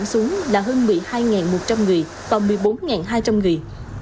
giảm xuống là hơn một mươi hai một trăm linh người và một mươi bốn hai trăm linh người